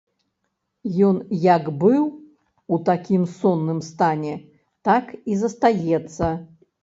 Ён як быў у такім сонным стане, так і застаецца.